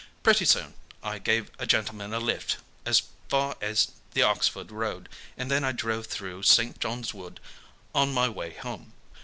Pretty soon I gave a gentleman a lift as far as the Oxford Road, and then I drove through St. John's Wood on my way home.